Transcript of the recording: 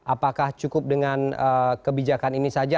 apakah cukup dengan kebijakan ini saja